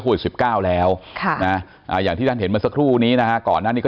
โควิด๑๙แล้วอย่างที่ท่านเห็นมาสักครู่นี้นะก่อนนั้นนี้ก็